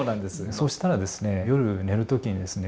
そしたらですね夜寝る時にですね